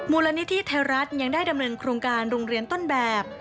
มูลนิธิไทยรัฐยังได้ดำเนินโครงการโรงเรียนต้นแบบ